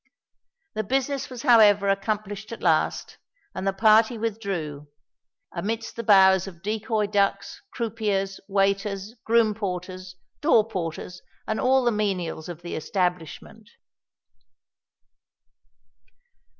The business was, however, accomplished at last, and the party withdrew, amidst the bows of decoy ducks, croupiers, waiters, groom porters, door porters, and all the menials of the establishment.